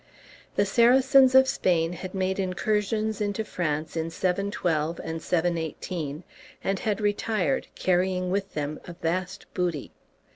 The Saracens of Spain had made incursions into France in 712 and 718, and had retired, carrying with them a vast booty.